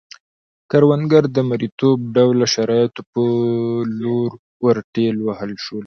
کروندګر د مریتوب ډوله شرایطو په لور ورټېل وهل شول